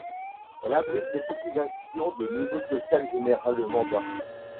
Elle abrite des populations de niveau social généralement bas.